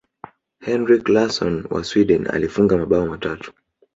henrik larson wa sweden alifunga mabao matatu